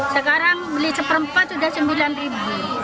sekarang beli seperempat sudah rp sembilan